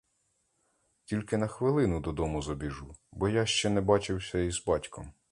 Тільки на хвилину додому забіжу, бо я ще не бачився і з батьком.